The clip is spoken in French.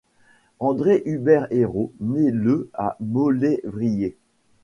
André-Hubert Hérault né le à Maulévrier.